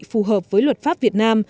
phù hợp với luật pháp việt nam